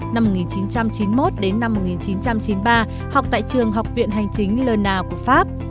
năm một nghìn chín trăm chín mươi một một nghìn chín trăm chín mươi ba học tại trường học viện hành chính lerna của pháp